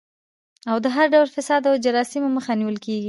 او د هر ډول فساد او جرايمو مخه نيول کيږي